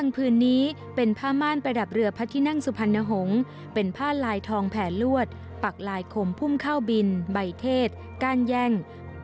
เป็นผ้าลายทองแผลลวดปักลายขมพุ่มเข้าบินใบเทศก้านแย่ง